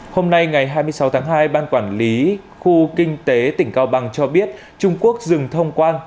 hôm nay ngày hai mươi sáu tháng hai ban quản lý khu kinh tế tỉnh cao bằng cho biết trung quốc dừng thông quan